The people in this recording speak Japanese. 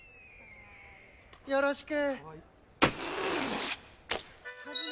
よろしく。